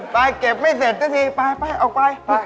ไปเก็บไม่เสร็จสักทีไปออกไป